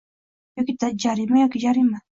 Yoki jarima yoki jarima